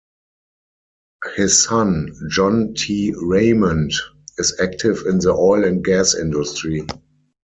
His son, John T. Raymond, is active in the oil and gas industry.